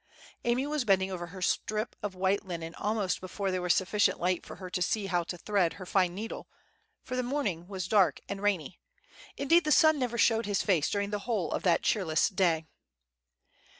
Amy was bending over her strip of white linen almost before there was sufficient light for her to see how to thread her fine needle, for the morning was dark and rainy; indeed the sun never showed his face during the whole of that cheerless day.